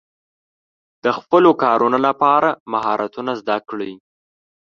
د خپلو کارونو لپاره مهارتونه زده کړئ.